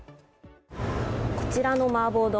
こちらの麻婆丼